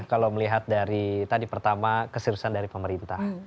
kalau melihat dari tadi pertama keseriusan dari pemerintah